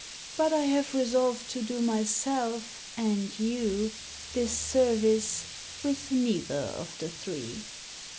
But I have resolved to do myself, and you, this service, with neither of the three."